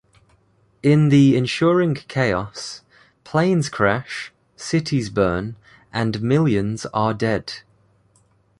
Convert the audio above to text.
In the ensuring chaos, planes crash, cities burn and millions are dead.